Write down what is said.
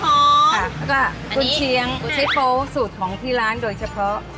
แล้วก็คุณเชียงใช้โป๊สูตรของที่ร้านโดยเฉพาะ